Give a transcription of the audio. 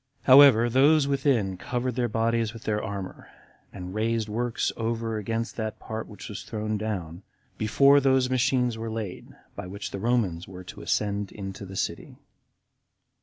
However, those within covered their bodies with their armor, and raised works over against that part which was thrown down, before those machines were laid by which the Romans were to ascend into the city.